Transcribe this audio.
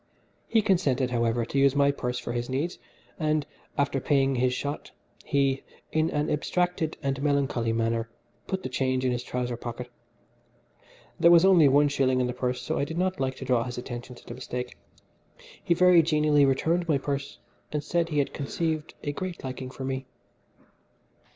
He consented, however, to use my purse for his needs, and, after paying his shot, he, in an abstracted and melancholy manner, put the change in his trouser pocket. There was only one shilling in the purse so I did not like to draw his attention to the mistake. He very genially returned my purse, and said he had conceived a great liking for me.